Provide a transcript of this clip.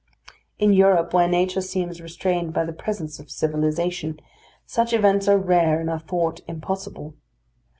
In Europe, where nature seems restrained by the presence of civilisation, such events are rare and are thought impossible.